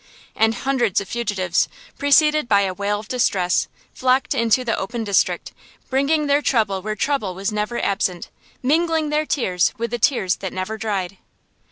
And hundreds of fugitives, preceded by a wail of distress, flocked into the open district, bringing their trouble where trouble was never absent, mingling their tears with the tears that never dried.